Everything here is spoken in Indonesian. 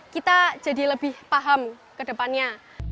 kita jadi lebih paham ke depannya